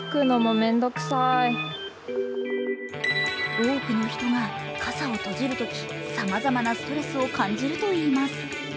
多くの人が傘を閉じるとき、さまざまなストレスを感じるといいます。